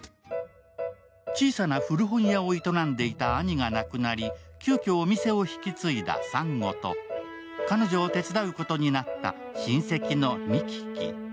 小さな古本屋さんを営んでいた兄が亡くなり、急きょ、お店を引き継いだ珊瑚と彼女を手伝うことになった親戚の美希喜。